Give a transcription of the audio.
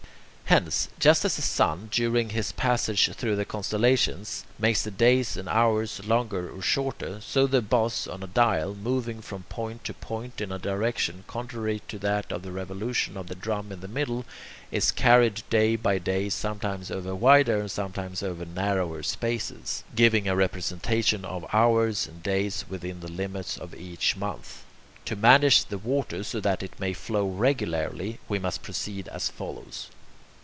Hence, just as the sun during his passage through the constellations makes the days and hours longer or shorter, so the boss on a dial, moving from point to point in a direction contrary to that of the revolution of the drum in the middle, is carried day by day sometimes over wider and sometimes over narrower spaces, giving a representation of the hours and days within the limits of each month. To manage the water so that it may flow regularly, we must proceed as follows.